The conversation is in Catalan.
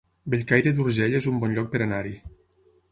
Bellcaire d'Urgell es un bon lloc per anar-hi